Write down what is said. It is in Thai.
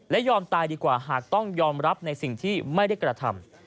และยอมตายดีกว่าหากต้องยอมรับในสิ่งที่ไม่ได้กระทำ